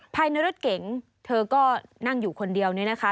ภายในรถเก๋งเธอก็นั่งอยู่คนเดียวเนี่ยนะคะ